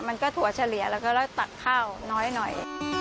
มันก็ถั่วเฉลี่ยแล้วก็ตักข้าวน้อยหน่อย